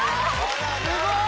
すごーい